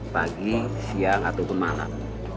pagi siang atau kemalam